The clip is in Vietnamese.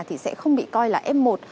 thì sẽ không bị coi là m một